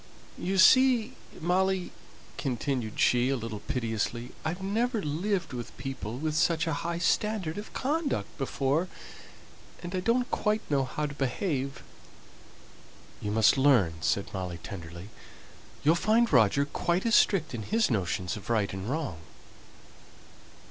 You see, Molly," continued she, a little piteously, "I've never lived with people with such a high standard of conduct before; and I don't quite know how to behave." "You must learn," said Molly tenderly. "You'll find Roger quite as strict in his notions of right and wrong."